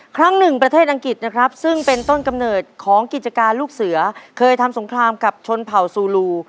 ครั้งหนึ่งประเทศอังกฤษนะครับซึ่งเป็นต้นกำเนิดของกิจการลูกเสือเคยทำสงครามกับชนเผ่าซูลู